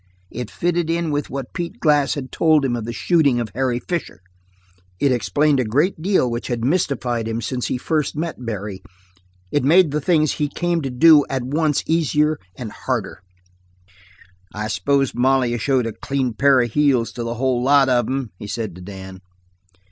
It fitted in with what Pete Glass had told him of the shooting of Harry Fisher; it explained a great deal which had mystified him since he first met Barry; it made the thing he had come to do at once easier and harder. "I s'pose Molly showed a clean pair of heels to the whole lot of 'em?" he said to Dan.